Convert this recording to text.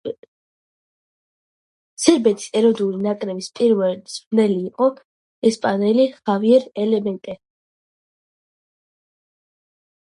სერბეთის ეროვნული ნაკრების პირველი მწვრთნელი იყო ესპანელი ხავიერ კლემენტე.